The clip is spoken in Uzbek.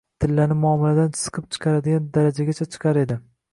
Tillani muomaladan siqib chiqaradigan darajagacha chiqar edi.